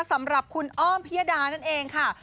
สำหรับคุณอ้อมพิยดานั่นเองค่ะ